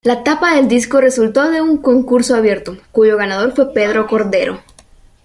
La tapa del disco resultó de un concurso abierto, cuyo ganador fue Pedro Cordero.